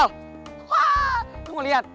wah lo mau liat